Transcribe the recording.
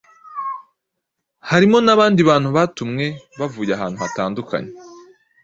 Harimo n’abandi bantu batumwe bavuye ahantu hatandukanye.